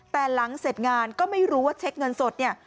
แต่หลังเสร็จงานก็ไม่รู้ว่าเช็คเงินสดเนี่ย